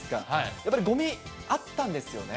やっぱりごみあったんですよね。